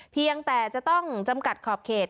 เพียงแต่จะต้องจำกัดขอบเขต